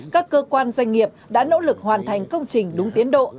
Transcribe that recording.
các cơ quan doanh nghiệp đã nỗ lực hoàn thành công trình đúng tiến độ